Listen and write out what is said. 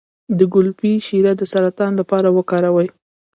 د ګلپي شیره د سرطان لپاره وکاروئ